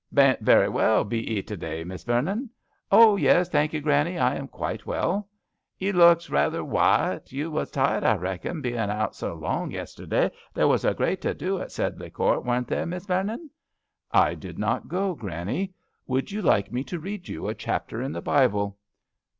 " Baint very well, be 'ee, to day, Miss Vernon ?"" Oh, yes, thank you, Granny, I am quite well." " You looks rather wite : you was tired, I reckon, bein' out so long yesterday. There was a great to do at Sedley Court, wasn't there, Miss Vernon ?"" I did not go, Granny Would you like me to read you a chapter in the Bible